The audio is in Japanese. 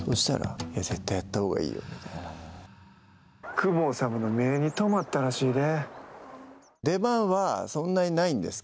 公方様の目に留まったらしいで。